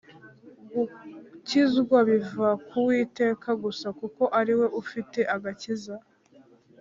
gukizwa biva ku witeka gusa kuko ariwe ufite agakiza